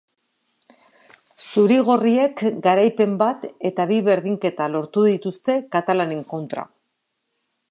Zuri-gorriek garaipen bat eta bi berdinketa lortu dituzte katalanen kontra.